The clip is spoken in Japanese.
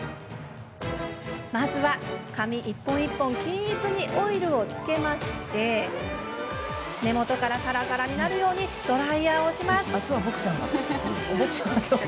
まずは、髪一本一本均一にオイルをつけて根元からさらさらになるようにドライヤーをします。